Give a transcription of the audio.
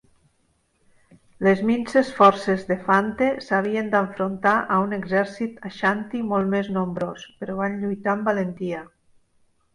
Les minses forces de Fante s'havien enfrontar a un exèrcit ashanti molt més nombrós, però van lluitar amb valentia.